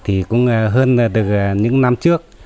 thì cũng hơn được những năm trước